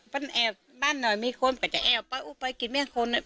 มันแอบบ้านหน่อยมีคนก็จะแอบไปอู้ไปกินแม่คน